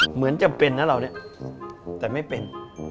เหมือนจำเป็นนะเราเนี่ยแต่ไม่เป็น